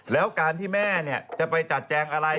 แล้วการที่แม่จะไปจัดแจงอะไร